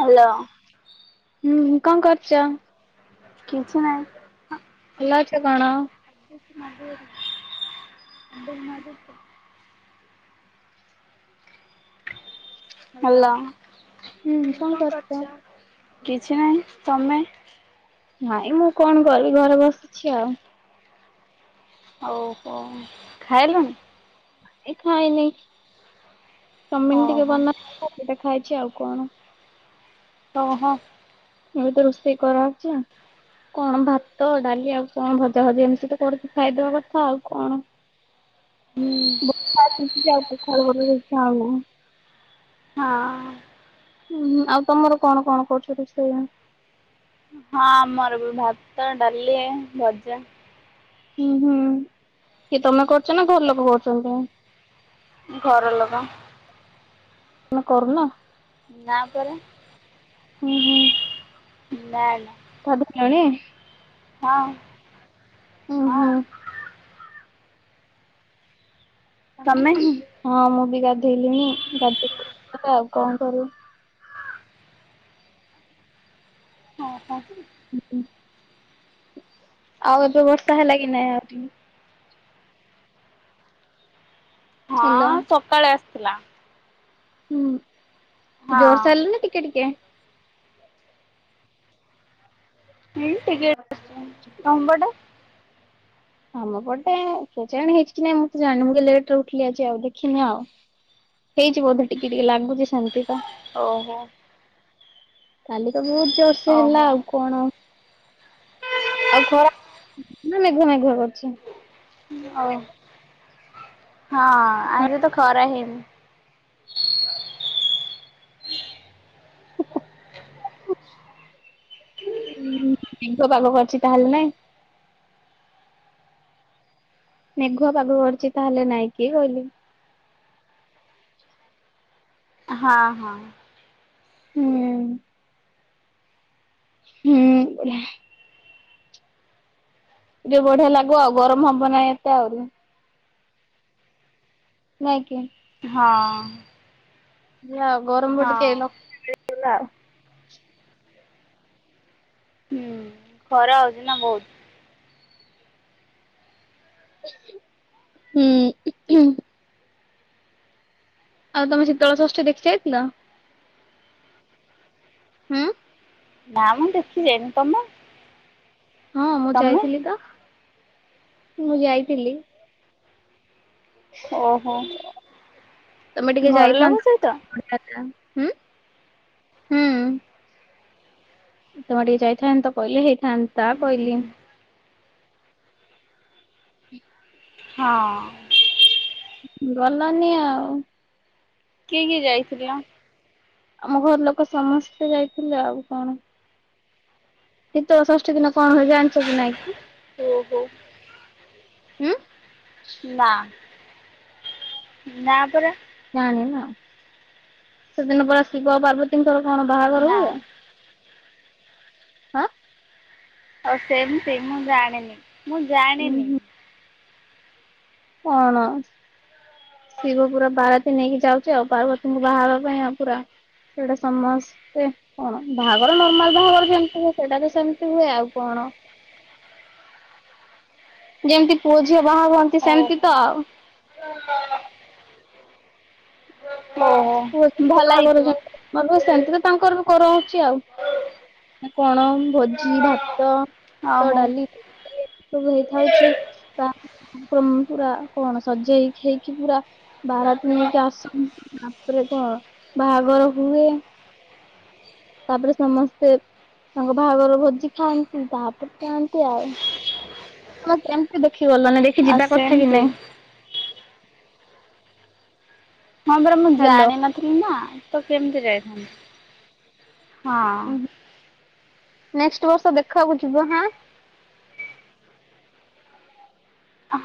Hello ହୁଁ। କଣ କରୁଛ। କିଛି ନାହିଁ। ଭଲ ଅଛ କଣ। ଆବେ ମାରୁ ତ। ହାଲୋ, ହୁଁ କଣ କରୁଚ? କରୁଛ? କିଛି ନାହିଁ। ତମେ। ନାଇଁ ମୁଁ କଣ କରିବି ଘରେ ବସିଛି ଆଉ ଓହୋ ଖାଇଲୁଣିି? ଏ ଖାଇନି। ଚାଉମିନି ଟିକିଏ ଓହୋ ବନା [unintelligible] ଖାଇଛି। କଣ କଣ? ଓହୋ। ମୁତରେ ହୁଁ ଇଚ୍ଛା ହଉନି। ହଁ। ହୁଁ ଆଉ ତମର କଣ କଣ କରୁଛନ୍ତି ସେଇ ହଁ ଆମର ବି ଭାତ ଡାଲି ଜା ହୁଁ ହୁଁ କିଏ ତମେ କରୁଛ ନା ଘର ଲୋକ କରୁଛନ୍ତି। ମୁ ଘରଲୁକ ମନ କରୁନ ନା ପରା ହୁଁ ହୁଁ। ନାଁ। ସାଧୁ ଖେଣି ହଁ। ଓ ହଁ। ହୋ। ତମେ ହଁ ମୁଁ ବି ଗାଧେଇଲିଣି [unintelligible] କଣ କରୁଛୁ? ଓହୋ। [inaudible] ଆଉ ଏବେ ବର୍ଷା ହେଲା କି ନାଇଁ ଆଉ ଏଇଟି ହ୍ୟାଲୋ। ହଁ ସକାଳେ ଥିଲା। ହଁ। ଜେ ହଁ ଟିକେବ ଟା ଆମ ପଟେ କିଏ ଜାଣି ହେଇଛି କି ନାହିଁ ମୁଁ ତ ଜଣିନି ମୁଁ ଲେଟିରି ଉଠିଲି ଆଜି ଦେଖିନାହିଁ ହେଇଛି ବେଧେ ଟିକିଏ ଟିକିଏ ଲାଗୁଛି ସେମିତେ ତ ଓହୋ। କାଲି ତ ବହୁତୁ ଜେସେ ଓହୋ ହେଲା ଆଉ କଣ ଆଉ କଣ ମେଘୁଆ ମେଘୁଆ କରୁଛି। ହଁ ହଁ ଆଜିତ ଖରା ହଇନି। ମେଘ ପାଗ କରିଛି ତାହେଲେ ନାହିଁ। ମେଘୁଆ ପାଗ କରିଛି ତାହେଲେ ନାହିଁ କି କହିଲୁ? ହଁ ହଁ ହୁଁ। ହୁଁ [inaudible] ଯ ବଢିଆ ଲାଗିବ ଆଉ ଗରମ ହବ ନାହିଁ ଏତେ ଆଉ । ନାଇଁ କିି? ହଁ [inaudible] [unintelligible] ଗରମ ହଁ [unintelligible] [unintelligible] ହୁଁ ଖରା ହଉଛି ନା ବହୁତ ଉଁ ହୁଁ ଆଉ ତମେ ଶୀତଳଷଷ୍ଠୀ ଦେଖି ଯାଇଥିଲ? ଆଁ ନାଁ ମୁଁ ଦେଖିଯାଇନି। ତମେ? ହଁ ମୁଁ ତମେ ଯାଇଥିଲି ତ। ମୁଁ ଯାଇଥିଲି। ଓହୋ ଘର ଲୋକ ସହିତ? ଉଁ ହୁଁ। ତମେ ଟିକେ ଯାଇଥାନ୍ତ କହିଲେ ହେ ହେନ୍ତା କହିଲି। [inaudible] ହଁ। ଗଲାନି ଆଉ। କିଏ କିଏ ଯାଇଥିଲା। ଆମ ଘର ଲୋକ ସମସ୍ତେ ଯାଇଥିଲେ ଆଉ କଣ? ଶୀତଳ ଷଷ୍ଠୀ ଦିନ କଣ ହୁଏ ଜାଣିଛ କି ନାଇଁ କି? ଓ ହୋ ଉଁ। ନାଁ ନା ପରା [unintelligible] ସେଦିନ ପରା ଶିବ ପାର୍ବତୀଙ୍କର କଣ ନା ବାହାଘରକୁ? ଉଁ ହଉ ସେମ ସେମ ମୁଁ ଜାଣିନି। ମୁଁ ଉଁ ଜାଣେନି ହୁଁ। କଣ? ଶିବପୁର ବା ନେଇକି ଯାଉଛି ଆଉ ପାର୍ବତୀଙ୍କୁ ବାହାହବା ପାଇଁ ଆଉ ପୁରା ସେଇଟା ସମସ୍ତେ କଣ ବାହାଘର ନର୍ମାଲ ବାହାଘର ଯେମିତି ହୁଏ ସେଇଟା ବି ସେମତି ହୁଏ ଆଉ କଣ। ଯେମିତି ପୁଅ ଝିଅ ବାହା ହୁହନ୍ତି ସେମିତି ଓହୋ ତ ଆଉ। ଓହୋ ପୁଅ ଝିଅ ଭଲ ବାହାଘର ହେଇଥିବ ଯେମିତି ସେମିତି ତ ତାଙ୍କର। କରାହୋଉଚି ଆଉ ଆ କଣ ଭୋଜି ଭାତ। ଅ ତ ହଉ ଡାଲି [unintelligible] ହେଇଥାଉଛି ତ ତାଙ୍କର ପୁରା କଣ ସଜେଇ ହେଇକି ପୁରା ବାରାତୀ ନେଇକି ଆସ ତାପରେ ତ ବାହାଘର ହୁଏ ତାପରେ ସମସ୍ତେ ତାଙ୍କ ବାହାଘର ଭୋଜି ଖାଆନ୍ତି ତାପରେ ଆନ୍ତି ଆଉ। ଗଲନି ଦେଖି ଆଉ ଯିବା କଥା କି ସେମିତି ନାଇଁ? ହଁ ପରା ମୁଁ ହାଲୋ। ଜାଣିନଥିଲି ନା। ତ କେମିତି ଯାଇଥାନ୍ତି? ହଁ। ନେକ୍ସଟ ବର୍ଷ ଦେଖିବାକୁ ଯିବ ହଁ।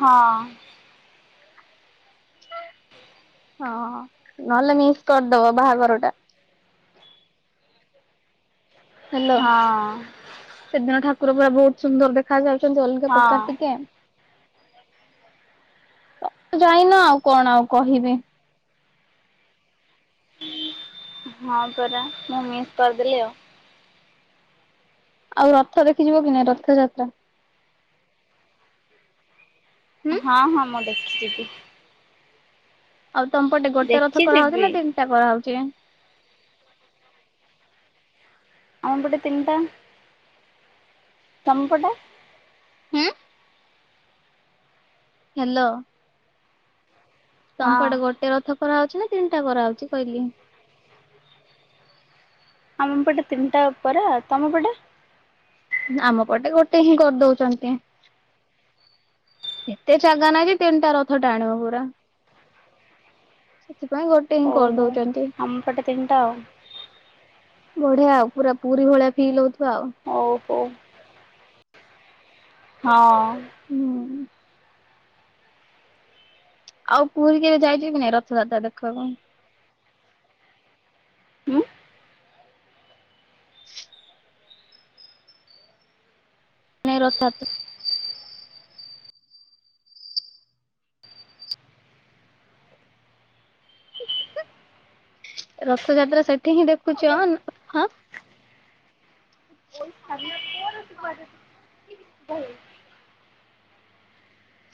ହଁ। ହଁ ନହେଲେ ମିସ୍ କରିଦବ ବାହାଘରଟା। ପୁରା ହଁ। ପୁରା ବହୁତ ସୁନ୍ଦର ଦେଖାଯାଏ। କିନ୍ତୁ ଅଲଗା ପ୍ରକାର ହଁ ଟିକେ ତ ଯାଇନି ଆଉ କଣ ଆଉ କହିବି? ହଁ ପରା, ମୁଁ ମିସ୍ କରିଦେଲି ଆଉ। ଆଉ ରଥ ଦେଖି ଯିବ କି ନାହି ରଥଯାତ୍ରା? ହୁଁ। ହଁ ହଁ ମୁଁ ଦେ ଯିବି। ଆଉଲ୍ ତମ ପଟେ ଗୋଟେ ରଥ କରାହଉଛି ନା ତିନିଟା କରାହଉଛି? [unintelligible] ଆମପଟେ ତିନିଟା, ତମପଟେ? ହୁଁ। ହ୍ୟାଲୋ। ହଁ। ତମପଟେ ଗୋଟେ ରଥ କରାହଉଛି ନା ତିନିଟା କରାହଉଛି କହିଲି? ଆମ ପଟେ ତିନିଟା ଉପରେ, ଆଉ ତମ ପଟେ? ଆମ ପଟେ ଗୋଟେ ହିଁ କରିଦଉଛନ୍ତି। ଏତେ ଜାଗା ନାହିଁ ଯେ ତିନିଟା ରଥ ଟାଣିବ ପୁରା। ସେଥିପାଇଁ ଗୋଟେ ହିଁ ଓହୋ କରିଦଉ ଆମ ପଟେ ତିନିଟା ଆଉ। ବଢିଆ ଆଉ ପୁରା ପୁରୀ ଭଳିଆ ଫିଲ୍ ହଉ ହଉ ହଉ। ହଁ। ହୁଁ। ଆଉ ପୁରୀ କେବେ ଯାଇଛ କି ନାଇଁ ରଥଯାତ୍ରା ଦେଖିବାକୁ? ଉଁ [unintelligible] ରଥଯାତ୍ରା ସେଠି ହିଁ ଦେଖୁଛ ନ୍-ହଁ।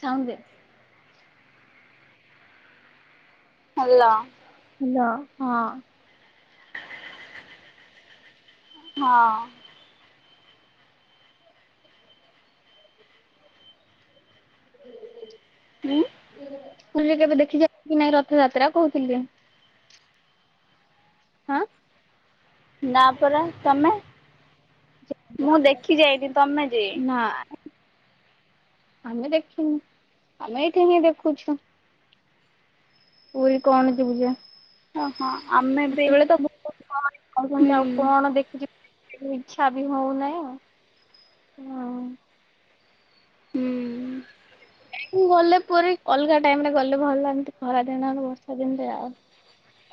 ସାଉଣ୍ଡ ଦେ। ହାଲୋ। ହ୍ୟାଲୋ ହଁ। ହଁ। ଉଁ [inaudible] ପୁରୀ ରେ କେବେ ଦେଖିଛ କି ନାଇଁ ରଥଯାତ୍ରା କହୁଥିଲି। ଆଁ ନା ପରା ତମେ? ମୁଁ ଦେଖି ଯାଇଛିି ତମେ ଯେ ନା ଆମେ ଦେଖିନୁ ଆମେ ଏଇଠି ହ ଦେଖୁଛୁ। [unintelligible] ପୂଜା। ଓହୋ ଆମେ ବି ସେତେବେଳେ ତଣଛନ୍ତି ହୁଁ ଆଉ କଣ ଦେଖି? ଇଚ୍ଛା ବି ହଉନହିଁ ଆଉ ହଁ। ହୁଁ। ଗଲେ ପୁରୀ ଅଲଗା ଟାଇମ ରେ ଗଲେ ଭଲ ଏମତି ଖରା ଦିନ ଆ ବର୍ଷା ଦିନରେ ଆଉ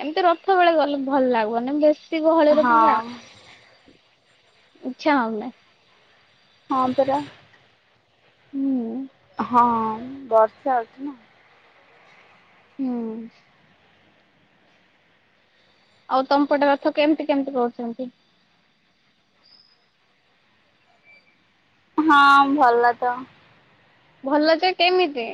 ଏମିତି ରଥ ବେଳେ ଗଲେ ଭଲ ଲାଗୁନି ବେଶ। ଗହଳିର ହଁ ପୁରା ଇଚ୍ଛା ହୋଇନାହିଁ। ହଁ ପରା। ହୁଁ। ହଁ ବର୍ଷା ଅଛି ନା ହଁ। ଆଉ ତମ ପଟେ ରଥ କେମିତି କେମିତି କହୁଛନ୍ତି? ହଁ ଭଲ ତ ଭଲ ଯେ କେମିତି?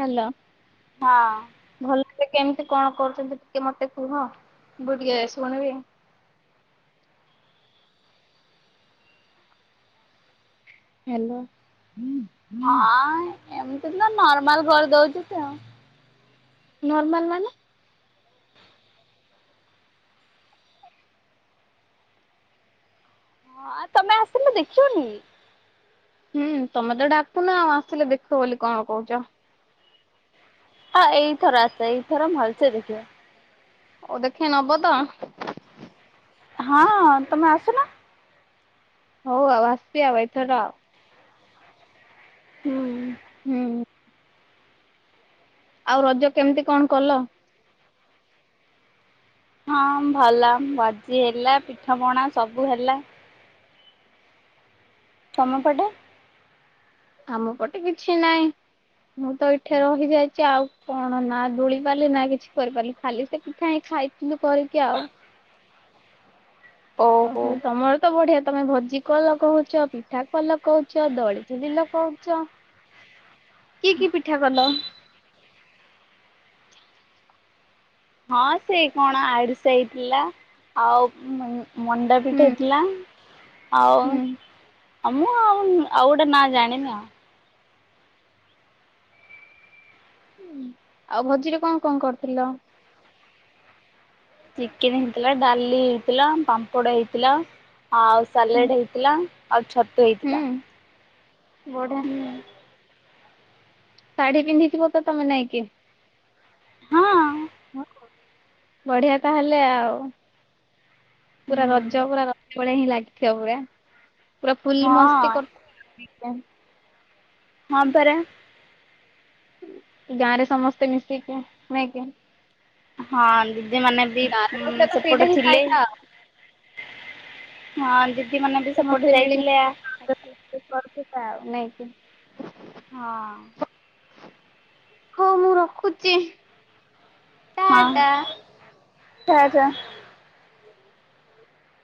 ହଲୋ। ହଁ। ସେ କେମିତି କଣ କରୁଛନ୍ତି ଟିକେ ମତେ କୁହ ମୁଁ ଟିକେ ଶୁଣିବି? ହେଲୋ ହୁଁ ହୁଁ। ଏମତି ନା ନର୍ମାଲ କରିଦଉଛି ସେ ଆଉ। ନର୍ମଲ ମାନେ? ସେ ଦେଖିିବନି। ହୁଁ ତମେ ତ ଡାକୁନ ଆଉ ଆସିଲେ ଦେଖ ବୋଲି କଣ କହୁଛ? ହଁ ଏଇଥର ଆସ ଏଇଥର ଭଲସେ ଦେଖିବ। ଓ ଦେଖେଇ ନବ ତ? ହଁ ତମେ ଆସୁ ନ। ହଉ ଆଉ ଆସି ଆଉ ଏଇଥର। ହୁଁ। ହୁଁ। ଆଉ ରଜ କେମିତି କଣ କଲ? ହଁ ଭଲ ଭଜି ହେଲା ପିଠା ପଣା ସବୁ ହେଲା। ତମ ପଟେ? ଆମ ପଟେ କିଛି ନହିଁ ମୁଁ ତ ଏଇଠି ରହିଯାଇଛି ଆଉ କଣ ନା ଦୋଳି ପାରିଲି ନା କିଛି କରିପାରିଲି ଖାଲି ସେ ପିଠା ହେ ଖାଇଥିଲୁ କରିକି ଆଉ। ଓହୋ ତମର ତ ବଢିଆ ତମେ ଭୋଜି କଲ କହୁଛ ପିଠା କଲ କହୁଛ ଦଳିଚେଲିଲ କହୁଛ କି କି ପିଠା କଲ? ହଁ ସେଇ କଣ ଆୁଷ ହେଇଥିଲା ଆଉ? ହୁଁ ମଣ୍ଡାପିଠ ହେଇଥିଲା ଆଉ। ହୁଁ ଆ ମୁଁ ଆଉ ଆଉ ଗୋଟେ ନା ଜାଣିନ। ଆଉ ଭୋଜିରେ କଣ କଣ କରଥିଲ? ଚିକେନ ହେଇଥିଲା ଡାଲି ହେଇଥିଲା ପାମ୍ପଡ ହେଇଥିଲା। ଆଉ ସାଲେଡ ହେଇଥିଲା ଆଉ ଛତୁ ହେଇଥିଲା। ଗୋଡେ ଶାଢୀ ପିନ୍ଧିଥିବ ତ ତମେ ନାଇଟ୍। ହଁ। ବଢିଆ ତାହେଲେ ଆଉ ହୁଁ ପୁରା ରଜ ପୁରା ର ବଳିଆ ଲାଗିଥିବ ପୁରା । ପୁରା ଫୁଲ୍ ହଁ ମସ୍ତି କଲୁ । ବି କନ୍ ହଁ ପରା ଗାଁରେ ସମସ୍ତେ ମିଶିକୁ ହ୍ୱାଇଁ କି ହଁ ଲୀ ଦିଦି ମାନେ ବି ଗାଁରେ ରହିଲେ ତ ସେ ପଟେ ସେଇଟା ହିଁ ଥିଲେ ଫାଇଦା ଆଉ । ହଁ ଦିଦି ମାନେ ବି ସେ ପଟେ ସମସ୍ତେ ଯାଇଥିଲେ ଆ ମିଳିମିଶି ଉନ୍ ହଁ। ହଁ ମୁଁ ରଖୁଛି । ଟା ଟା ଟା ଟା